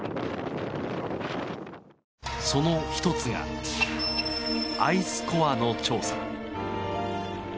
その１つが、アイスコアの調査。